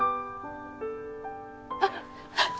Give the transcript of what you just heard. あっ！